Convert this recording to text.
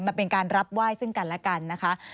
มาเป็นการรับไหว้ซึ่งกันและกันนะคะ